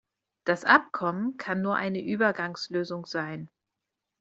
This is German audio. Das Abkommen kann nur eine Übergangslösung sein.